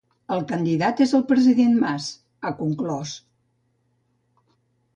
El candidat és el president Mas, ha conclòs.